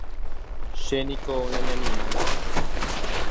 Chéniko nañanimái.